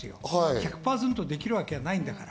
１００％できるわけはないんだから。